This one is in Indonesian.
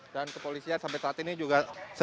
dan kepolisian sampai saat ini juga